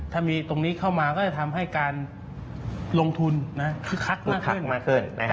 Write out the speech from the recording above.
ถ้ามีตรงนี้เข้ามาก็จะทำให้การลงทุนคึกคักคึกคักมากขึ้น